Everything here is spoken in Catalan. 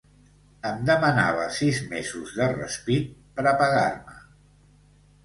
Em demanava sis mesos de respit per a pagar-me.